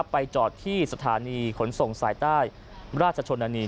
ไปจอดที่สถานีขนส่งสายใต้ราชชนนานี